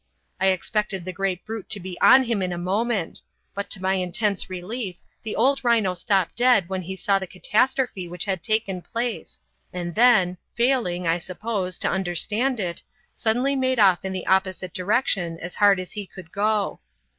I expected the great brute to be on him in a moment, but to my intense relief the old rhino stopped dead when he saw the catastrophe which had taken place, and then, failing (I suppose) to understand it, suddenly made off in the opposite direction as hard as he could go.